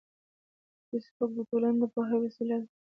فېسبوک د ټولنې د پوهاوي وسیله ده